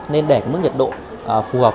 nên để nước nhiệt độ phù hợp